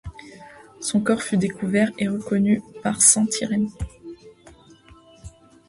Son corps fut découvert et reconnu par sainte Irène.